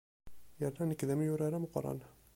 Yerna nekk d amyurar ameqqran.